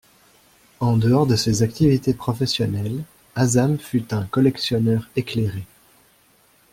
En dehors de ses activités professionnelles Azam fut un collectionneur éclairé.